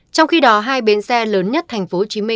trong khi đó hai bến xe lớn nhất tp hcm